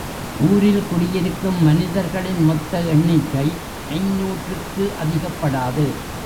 ஊரில் குடியிருக்கும் மனிதர்களின் மொத்த எண்ணிக்கை ஐந்நூற்றுக்கு அதிகப்படாது.